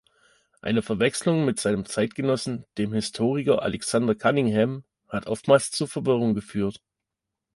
Eine Verwechslung mit seinem Zeitgenossen, dem Historiker Alexander Cunningham, hat oftmals zu Verwirrung geführt.